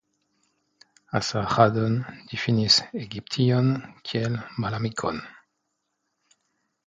Asarĥaddon difinis Egiption kiel malamikon.